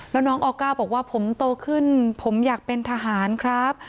แล้วน้องออก้าบอกว่าผมโตขึ้นผมอยากเป็นทหารครับ